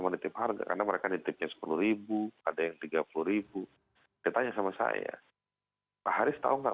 nitip harga karena mereka nge tripnya sepuluh ada yang tiga puluh di tanya sama saya pak haris tau enggak